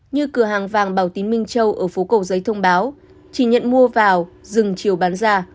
như cửa hàng vàng bảo tín minh châu ở phố cổ giấy thông báo chỉ nhận mua vào dừng chiều bán ra